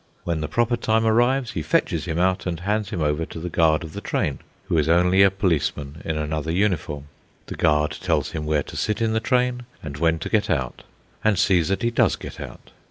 When the proper time arrives, he fetches him out and hands him over to the guard of the train, who is only a policeman in another uniform. The guard tells him where to sit in the train, and when to get out, and sees that he does get out.